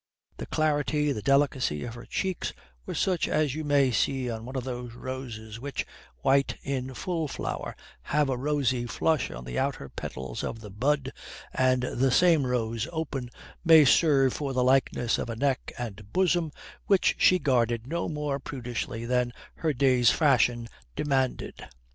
The clarity, the delicacy, of her cheeks were such as you may see on one of those roses which, white in full flower, have a rosy flush on the outer petals of the bud, and the same rose open may serve for the likeness of a neck and bosom which she guarded no more prudishly than her day's fashion demanded.